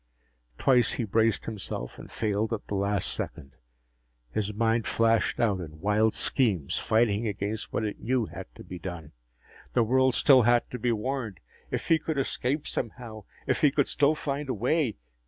Twice he braced himself and failed at the last second. His mind flashed out in wild schemes, fighting against what it knew had to be done. The world still had to be warned! If he could escape, somehow ... if he could still find a way....